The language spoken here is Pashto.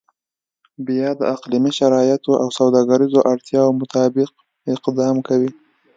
بیا د اقلیمي شرایطو او سوداګریزو اړتیاو مطابق اقدام کوي.